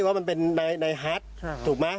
ว่ามันเป็นในฮัตถูกมั้ย